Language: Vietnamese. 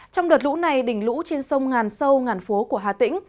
trong đợt lũ này đỉnh lũ trên sông ngàn sâu ngàn phố của hà tĩnh